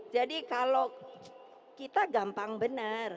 jadi kalau kita gampang benar